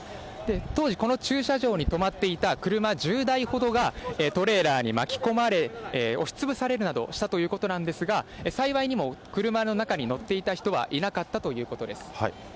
当時、この駐車場に止まっていた車１０台ほどが、トレーラーに巻き込まれ、押し潰されるなどしたということなんですが、幸いにも車の中に乗っていた人はいなかったということです。